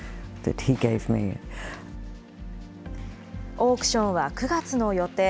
オークションは９月の予定。